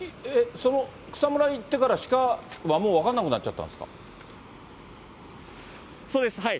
その草むらに行ってから、鹿はもう、分からなくなっちゃったそうです。